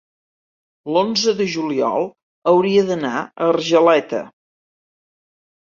L'onze de juliol hauria d'anar a Argeleta.